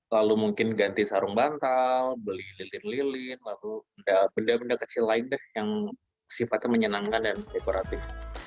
lalu mungkin ganti sarung bantal beli lilin lilin lalu benda benda kecil lain deh yang sifatnya menyenangkan dan dekoratif